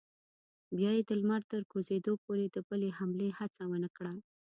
بیا یې د لمر تر کوزېدو پورې د بلې حملې هڅه ونه کړه.